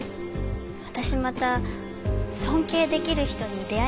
私また尊敬できる人に出会えたので。